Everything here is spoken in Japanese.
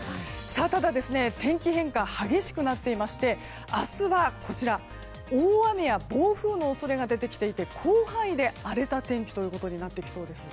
ただ、天気変化が激しくなっていまして明日は大雨や暴風の恐れが出てきていて広範囲で荒れた天気となってきそうです。